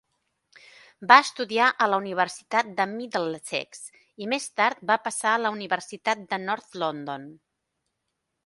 Va estudiar a la Universitat de Middlesex, i més tard va passar a la Universitat de North London.